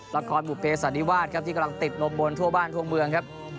ละครบุเปสันนิวาสครับที่กำลังติดลมบนทั่วบ้านทั่วเมืองครับ